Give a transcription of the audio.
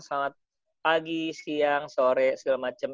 selamat pagi siang sore segala macam